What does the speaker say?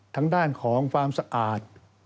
ทางด้านของความสะอาด